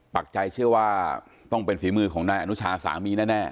ปากใจเชื่อว่าต้องเป็นฝีมือของนายอนุชาสามีแน่